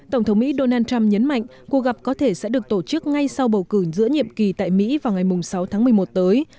tổng thống mỹ donald trump nhấn mạnh cuộc gặp có thể sẽ được tổ chức ngay sau bầu cử giữa nhiệm kỳ tại mỹ vào ngày sáu tháng một mươi một tới